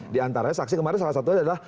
diantaranya saksi kemarin salah satunya adalah